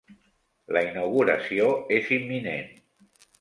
La inauguració és imminent.